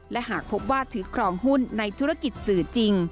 และหากพบว่าถือครองหุ้นในธุรกิจสื่อจริง